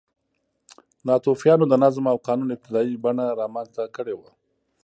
ناتوفیانو د نظم او قانون ابتدايي بڼه رامنځته کړې وه